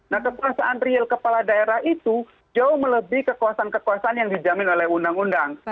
nah kekuasaan real kepala daerah itu jauh melebihi kekuasaan kekuasaan yang dijamin oleh undang undang